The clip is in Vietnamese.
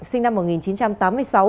sinh năm một nghìn chín trăm tám mươi sáu